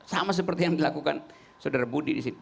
sama seperti yang dilakukan saudara budi di sini